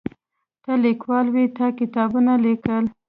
ته لیکوال وې تا کتابونه لیکل.